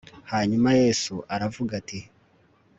hanyuma yesu aravuga ati